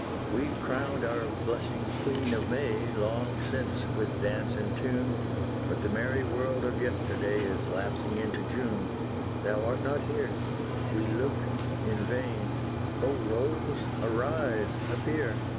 We crowned our blushing Queen of May Long since, with dance and tune, But the merry world of yesterday Is lapsing into June Thou art not here, we look in vain Oh Rose arise, appear!